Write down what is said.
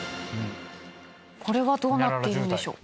これはどうなっているんでしょう？